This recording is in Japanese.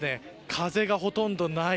風がほとんどない。